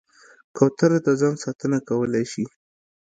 کوتره د ځان ساتنه کولی شي.